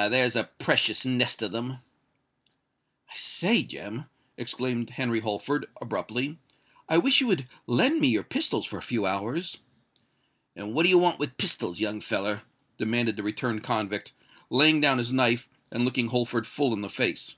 Ah! there's a precious nest of them!" "I say, Jem," exclaimed Henry Holford, abruptly, "I wish you would lend me your pistols for a few hours." "And what do you want with pistols, young feller?" demanded the returned convict, laying down his knife, and looking Holford full in the face.